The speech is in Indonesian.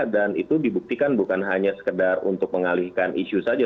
dan itu dibuktikan bukan hanya sekedar untuk mengalihkan isu saja